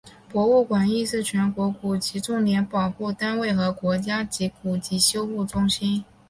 博物馆亦是全国古籍重点保护单位和国家级古籍修复中心。